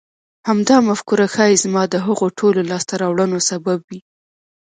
همدا مفکوره ښايي زما د هغو ټولو لاسته راوړنو سبب وي.